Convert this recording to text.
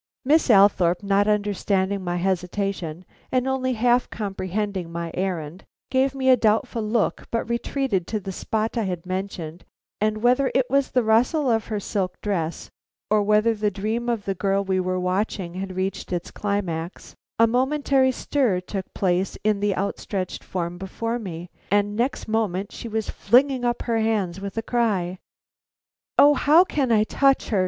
Miss Althorpe, not understanding my hesitation, and only half comprehending my errand, gave me a doubtful look but retreated to the spot I had mentioned, and whether it was the rustle of her silk dress or whether the dream of the girl we were watching had reached its climax, a momentary stir took place in the outstretched form before me, and next moment she was flinging up her hands with a cry. "O how can I touch her!